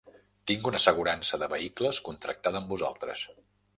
Tinc una assegurança de vehicles contractada amb vosaltres.